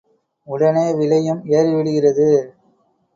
உடனே விலையும் ஏறிவிடுகிறது.